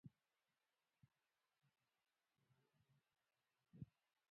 ازادي راډیو د د کار بازار په اړه نړیوالې اړیکې تشریح کړي.